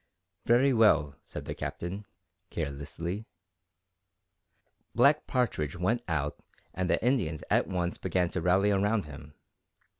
"Very well," said the Captain, carelessly. Black Partridge went out and the Indians at once began to rally around him.